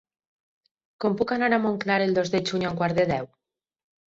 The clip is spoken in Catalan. Com puc anar a Montclar el dos de juny a un quart de deu?